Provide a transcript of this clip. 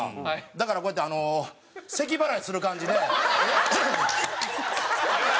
だからこうやってあのせき払いする感じで。